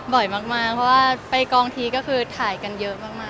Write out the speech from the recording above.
บ่อยมากเพราะว่าไปกองทีก็คือถ่ายกันเยอะมาก